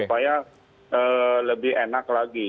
supaya lebih enak lagi